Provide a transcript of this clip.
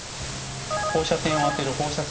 放射線を当てる放射線療法。